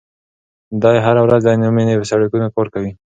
دی هره ورځ د عینومېنې په سړکونو کار کوي.